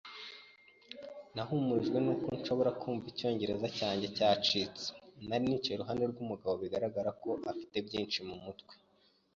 Nahumurijwe nuko nshobora kumva icyongereza cyanjye cyacitse. Nari nicaye iruhande rwumugabo bigaragara ko afite byinshi mumutwe.